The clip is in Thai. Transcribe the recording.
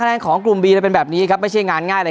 แนนของกลุ่มบีเป็นแบบนี้ครับไม่ใช่งานง่ายเลย